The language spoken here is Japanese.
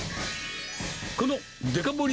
このデカ盛り